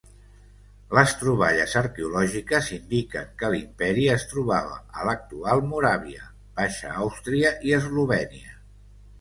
Les troballes arqueològiques indiquen que l'imperi es trobava a l'actual Moràvia, Baixa Àustria i Eslovènia.